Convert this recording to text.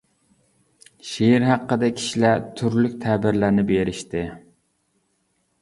شېئىر ھەققىدە كىشىلەر تۈرلۈك تەبىرلەرنى بېرىشتى.